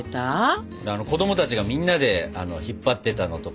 子供たちがみんなで引っ張ってたのとか。